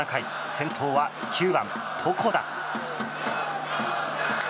先頭は９番、床田。